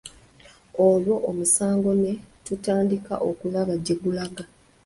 Olwo omusango ne tutandika okulaba gye gulaga.